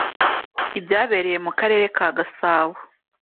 i byabereye mu karere ka Gasabo,